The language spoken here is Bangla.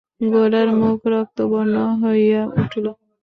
গোরার মুখ রক্তবর্ণ হইয়া উঠিল।